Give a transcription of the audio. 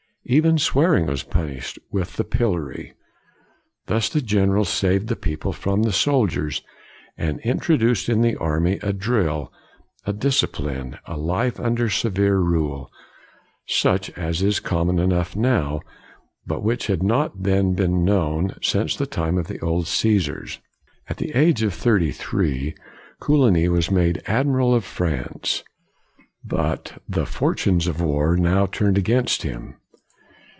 Even swearing was punished with the pil lory. Thus the general saved the people from the soldiers, and introduced into the army a drill, a discipline, a life under severe rule, such as is common enough now, but which had not then been known since the time of the old Caesars. At the age of thirty three, Coligny was made Admiral of France. But the for COLIGNY 149 tunes of war now turned against him.